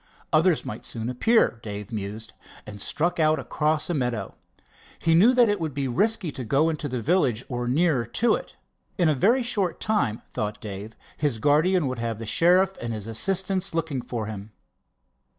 Others might soon appear, Dave mused, and struck out across a meadow. He knew that it would be risky to go into the village or nearer to it. In a very short time, thought Dave, his guardian would have the sheriff and his assistants looking for him.